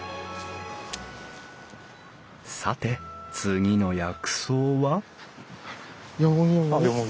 さて次の薬草はヨモギ。